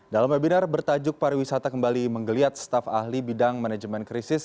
dalam webinar bertajuk pariwisata kembali menggeliat staf ahli bidang manajemen krisis